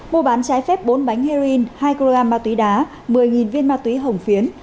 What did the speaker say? mua bán trái phép bốn bánh heroin hai kg ma túy đá một mươi viên ma túy hồng phiến